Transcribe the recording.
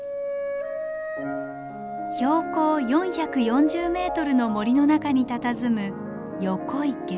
標高４４０ｍの森の中にたたずむ横池。